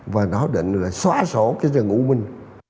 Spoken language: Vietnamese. và nó định là xóa sổ cái rừng u minh